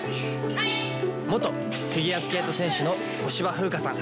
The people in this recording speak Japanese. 元フィギュアスケート選手の小芝風花さん。